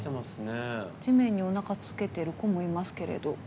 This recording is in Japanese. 地面におなかをつけてる子もいますけれど。